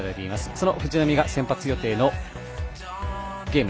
藤浪が先発予定のゲーム